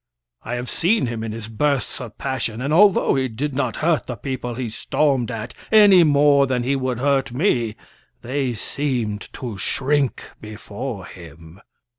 I have seen him in his bursts of passion; and, although he did not hurt the people he stormed at any more than he would hurt me, they seemed to shrink before him."